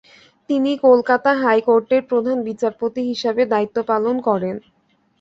তিনি কলকাতা হাইকোর্টের প্রধান বিচারপতি হিসেবে দায়িত্ব পালন করেন।